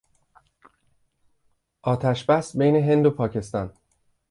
آتش بس بین هند و پاکستان